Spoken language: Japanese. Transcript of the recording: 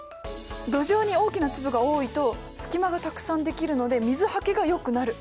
土壌に大きな粒が多いと隙間がたくさんできるので水はけがよくなる。